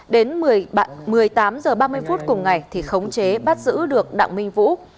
đến một mươi tám h ba mươi phút cùng ngày thì khống chế bắt giữ được đặng minh vũ